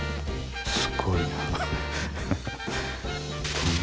すごいな。